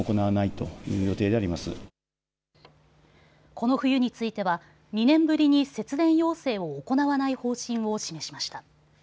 この冬については２年ぶりに節電要請を行わない方針を示しました。